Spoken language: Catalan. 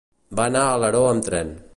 Va anar a Alaró amb tren.